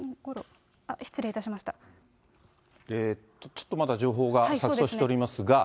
ちょっとまだ情報が錯そうしておりますが。